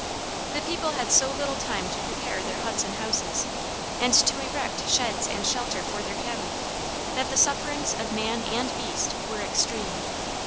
The people had so little time to prepare their huts and houses, and to erect sheds and shelter for their cattle, that the sufferings of man and beast were extreme.